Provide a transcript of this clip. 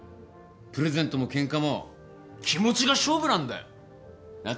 プレゼントもケンカも気持ちが勝負なんだよ。なあ？